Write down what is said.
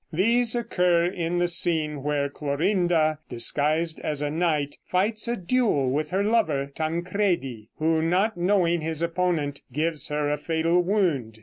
These occur in the scene where Clorinda, disguised as a knight, fights a duel with her lover Tancredi, who, not knowing his opponent, gives her a fatal wound.